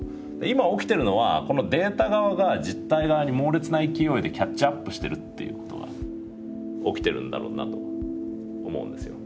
今起きてるのはこのデータ側が実体側に猛烈な勢いでキャッチアップしてるっていうことが起きてるんだろうなと思うんですよ。